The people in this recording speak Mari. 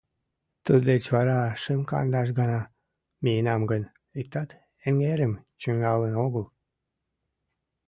Туддеч вара шым-кандаш гана миенам гын, иктат эҥырым чӱҥгалын огыл.